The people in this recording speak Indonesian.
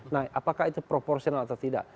nah apakah itu proporsional atau tidak